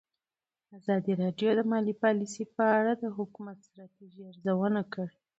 ازادي راډیو د مالي پالیسي په اړه د حکومتي ستراتیژۍ ارزونه کړې.